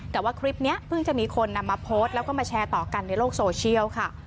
แต่ว่าคลิปนี้เพิ่งจะมีคนนำมาโพสต์แล้วก็มาแชร์ต่อกันในโลกโซเชียลค่ะ